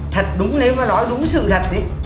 thật đúng nếu nói đúng sự thật